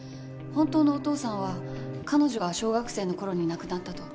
本当のお父さんは彼女が小学生の頃に亡くなったと。